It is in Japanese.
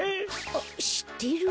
あっしってる？